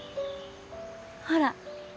ほら。